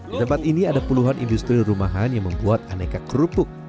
di tempat ini ada puluhan industri rumahan yang membuat aneka kerupuk